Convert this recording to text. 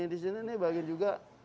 di sini nih bagian juga